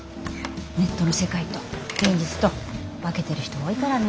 ネットの世界と現実と分けてる人多いからね。